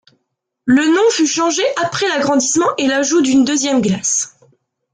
Le nom fut changé après l'agrandissement et l'ajout d'une deuxième glace.